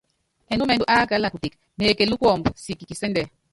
Ɛnúmɛndú ákála kuteke, neekelú kuɔmbɔ siki kisɛ́ndɛ.